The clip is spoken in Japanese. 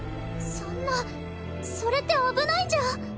そんなそれって危ないんじゃ？